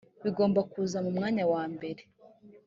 bigomba kuza mu mwanya wa mbere